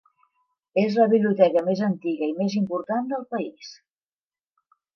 És la biblioteca més antiga i més important del país.